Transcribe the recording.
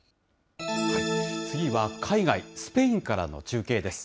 次は海外、スペインからの中継です。